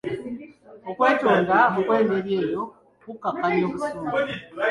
Okwetonda okwengeri eyo, kukkakanya obusungu.